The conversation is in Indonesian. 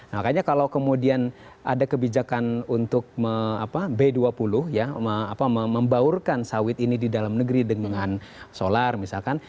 makanya kalau kemudian ada kebijakan untuk b dua puluh ya membaurkan sawit ini di dalam negeri dengan solar misalkan